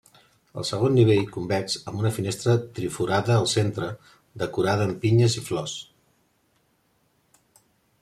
El segon nivell, convex, amb una finestra triforada al centre, decorada amb pinyes i flors.